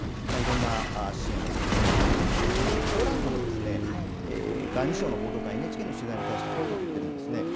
いろんな支援が求められていましてポーランドの外務省の報道官ＮＨＫの取材に対してこういうことを言っているんですね。